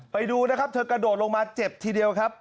ไปดูนะครับเธอกระโดดลงมาเจ็บทีเดียวครับ